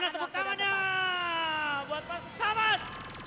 mana tepuk tangannya buat pak samad